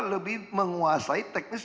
lebih menguasai teknis